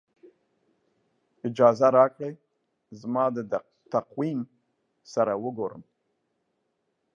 اجازه راکړئ زما د تقویم سره وګورم.